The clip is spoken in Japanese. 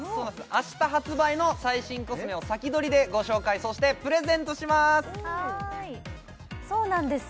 明日発売の最新コスメを先取りでご紹介そしてプレゼントしまーすそうなんです